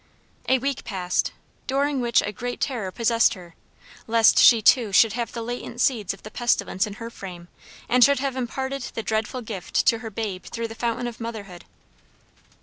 A week passed, during which a great terror possessed her, lest she too should have the latent seeds of the pestilence in her frame, and should have imparted the dreadful gift to her babe through the fountain of motherhood.